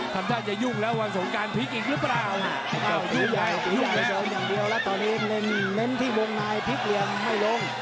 ทำท่าจะยุ่งแล้ววันสงการพลิกอีกหรือเปล่าอย่างเดียวแล้วตอนนี้เล่นเม้นที่วงนายพลิกเรียงไม่ลง